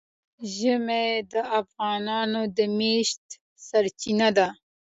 ژمی د افغانانو د معیشت سرچینه ده.